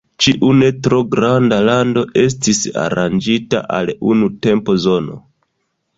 Ĉiu ne tro granda lando estis aranĝita al unu tempozono.